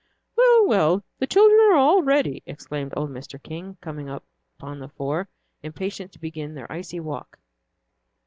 "Well, well, the children are all ready," exclaimed old Mr. King, coming upon the four, impatient to begin their icy walk.